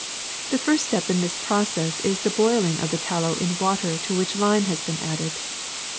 The first step in this process is the boiling of the tallow in water to which lime has been added.